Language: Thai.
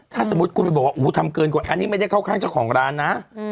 ถ้าสมมุติคุณไปบอกว่าทำเกินกว่าอันนี้ไม่ได้เข้าข้างเจ้าของร้านนะ